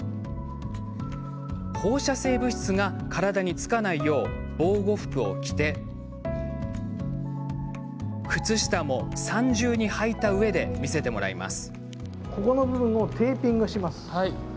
放射性物質が体につかないよう防護服を着て靴下も３重に、はいたうえで見せてもらいます。